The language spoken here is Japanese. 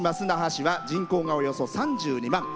那覇市は人口がおよそ３２万。